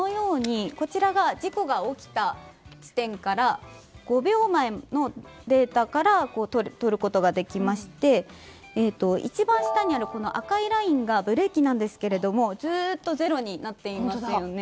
事故が起きた地点から５秒前のデータからとることができまして一番下にある赤いラインがブレーキなんですがずっと０になっていますよね。